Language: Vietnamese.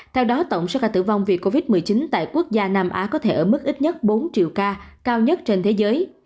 theo đó tổng số ca tử vong vì covid một mươi chín tại quốc gia nam á có thể ở mức ít nhất bốn triệu ca cao nhất trên thế giới